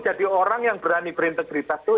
jadi orang yang berani berintegritas itu